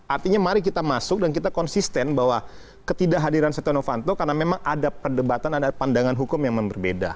artinya mari kita masuk dan kita konsisten bahwa ketidakhadiran setia novanto karena memang ada perdebatan ada pandangan hukum yang berbeda